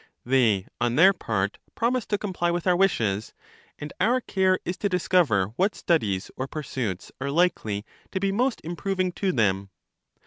They, on their part, promise to comply with our wishes ; and our care is to discover what studies or pursuits are likely to be most improv ing to them.